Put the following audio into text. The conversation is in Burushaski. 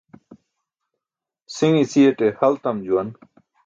Si̇ṅ i̇ci̇yaṭ hal tam juwan.